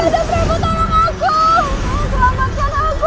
tolong selamatkan aku aku mohon